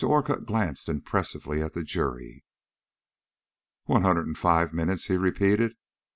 Orcutt glanced impressively at the jury. "One hundred and five minutes," he repeated.